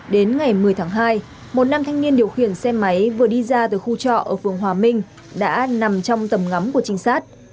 đến ngày một mươi tháng hai một nam thanh niên điều khiển xe máy vừa đi ra từ khu trọ ở phường hòa minh đã nằm trong tầm ngắm của trinh sát